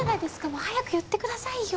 もう早く言ってくださいよ。